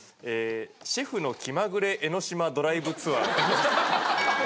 シェフのきまぐれ江ノ島ドライブツアー。